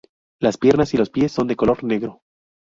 Las piernas y los pies son de color negro.